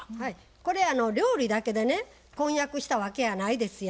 これ料理だけでね婚約したわけやないですや。